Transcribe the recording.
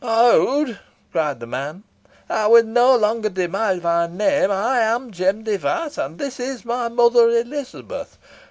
"Howd!" cried the man; "Ey win no longer deny my name. Ey am Jem Device, an this is my mother, Elizabeth.